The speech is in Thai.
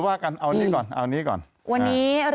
ทำไมฉันโดนเยอะเนอะปีนี้นะ